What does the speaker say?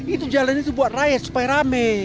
itu jalan itu buat rakyat supaya rame